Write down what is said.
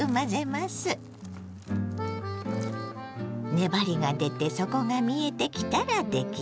粘りが出て底が見えてきたら出来上がりです。